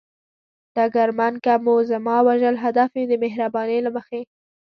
ډګرمن: که مو زما وژل هدف وي، د مهربانۍ له مخې.